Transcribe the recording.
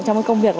trong công việc